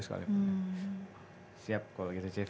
siap kalau gitu chief